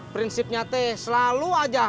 prinsip nyate selalu aja